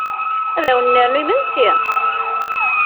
Ad wen-nernu imesnsi?